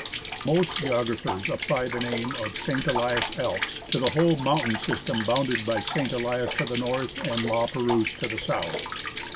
2 M' OST geographers apply the name of "St. EHas Alps" to the whole mountain system bounded by St. Elias to the north and La Perouse to the south.